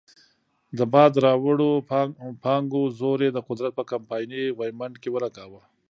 د باد راوړو پانګو زور یې د قدرت په کمپایني غویمنډ کې ولګاوه.